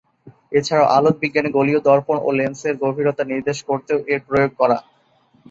এছাড়া আলোক বিজ্ঞানে গোলীয় দর্পণ ও লেন্সের গভীরতা নির্দেশ করতেও এর প্রয়োগ করা।